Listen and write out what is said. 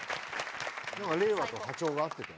令和と波長が合ってた。